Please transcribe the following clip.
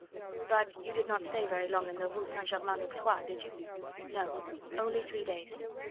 "But you did not stay very long in the Rue St. Germain l'Auxerrois, did you?" "No. Only three days.